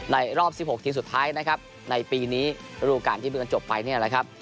ในรอบ๑๖ทีมสุดท้ายนะครับในปีนี้รูปการณ์ที่มีกันจบไปนี่แหละครับ